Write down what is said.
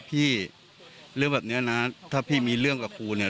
พี่เรื่องแบบนี้นะถ้าพี่มีเรื่องกับครูเนี่ย